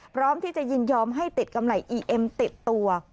พร้อมที่จะยินยอมให้ติดกำไรอีเอ็มติดตัว